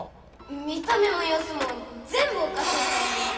見た目もようすもぜんぶおかしいと思います。